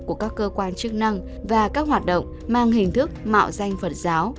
của các cơ quan chức năng và các hoạt động mang hình thức mạo danh phật giáo